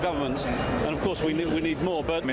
dan tentu saja kita butuh lebih banyak